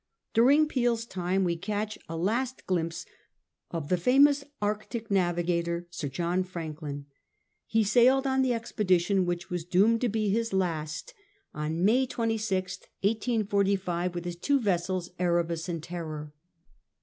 ]>uring Peel's time we catch a last glimpse of the famous Arctic navigator, Sir John Franklin. He sailed on the expedition which was doomed to be his 1845. SIR JOHN FRANKLIN. 323 last, on May 26, 1845, with his two vessels, Erebus and Terror.